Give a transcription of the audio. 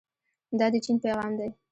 دا د چین پیغام دی.